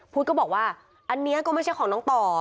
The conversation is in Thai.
ก็บอกว่าอันนี้ก็ไม่ใช่ของน้องต่อ